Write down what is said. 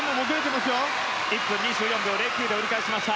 １分２４秒０９で折り返しました。